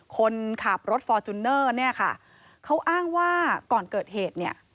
คนขับรถฟอร์จูเนอร์เนี่ยค่ะเขาอ้างว่าก่อนเกิดเหตุเนี่ย